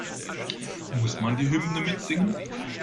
Muss man die Hymne mitsingen?